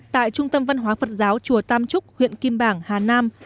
tại trung tâm văn hóa phật giáo chùa tam trúc huyện kim bảng hà nam